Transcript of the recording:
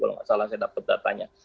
kalau nggak salah saya dapat datanya